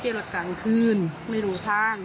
เกลียดรถกลางคืนไม่รู้ทาง